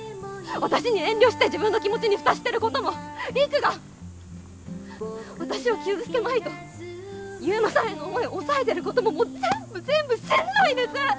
私に遠慮して自分の気持ちに蓋してることも陸が私を傷つけまいと悠磨さんへの思い抑えてることももう全部全部しんどいです！